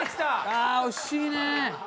ああ惜しいね。